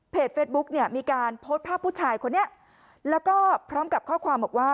เฟซบุ๊กเนี่ยมีการโพสต์ภาพผู้ชายคนนี้แล้วก็พร้อมกับข้อความบอกว่า